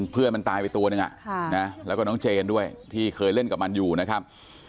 เพื่อนมันตายไปตัวหนึ่งแล้วก็น้องเจนด้วยที่เคยเล่นกับมันอยู่นะครับ